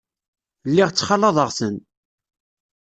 Lliɣ ttxalaḍeɣ-ten.